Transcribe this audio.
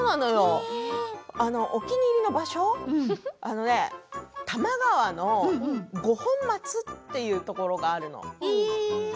お気に入りの場所、多摩川の五本松というところがあるの。